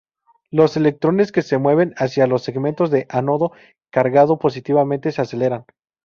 Los electrones que se mueven hacia los segmentos de ánodo cargado positivamente se aceleran.